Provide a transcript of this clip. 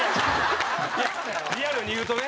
リアルに言うとね